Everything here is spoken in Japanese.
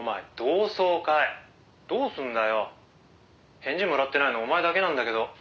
「返事もらってないのお前だけなんだけど」